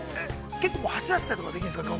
◆結構走らせたりとかできるんですか。